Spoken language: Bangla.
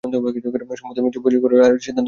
সম্মানিত জুরিগণ, রায়ের সিদ্ধান্ত নিতে পেরেছেন?